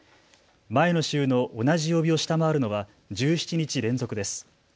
前の週の同じ曜日を下回るのは１７日連続です。